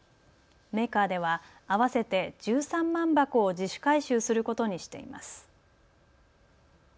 メーカーでは合わせて１３万箱を自主回収することにしています。